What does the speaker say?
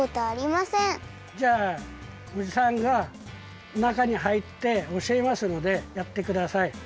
じゃあおじさんがなかにはいっておしえますのでやってください。